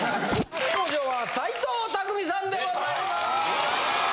初登場は斎藤工さんでございます。